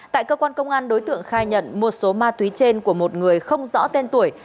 tại cơ quan công an đối tượng khai nhận một số ma túy trên của một người không rõ tên tuổi